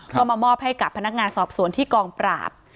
ก็มามอบให้กับพนักงานสอบสวนที่กองปราบ